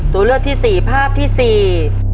ตัวเลือกที่สี่ภาพที่สี่